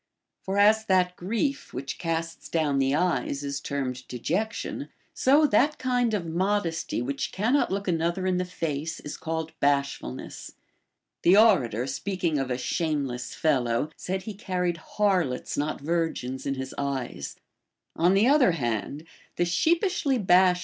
For as that grief Λvhich casts down the eyes is termed dejection, so tliat kind of modesty which cannot look another in the face is called bashfulness. The orator, speaking of a shameless fellow, said he carried harlots, not virgins, in his eyes ;* on the other hand, the sheepishly bashful be ♦ Oil κόρας ύλλα πόρνος.